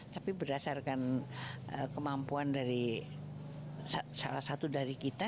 tapi berdasarkan kemampuan dari salah satu dari kita